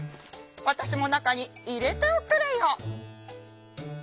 わたしもなかにいれておくれよ」。